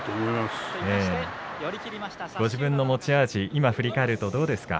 ご自分の持ち味振り返るとどうですか？